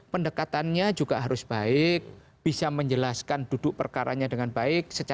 pendekatannya juga harus baik bisa menjelaskan duduk perkaranya dengan baik